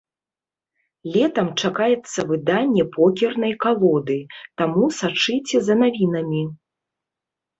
Летам чакаецца выданне покернай калоды, таму сачыце за навінамі!